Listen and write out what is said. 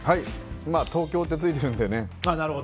東京ってついてるので。